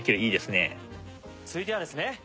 続いてはですね